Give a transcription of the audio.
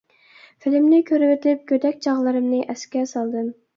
فىلىمنى كۆرۈۋېتىپ گۆدەك چاغلىرىمنى ئەسكە سالدىم.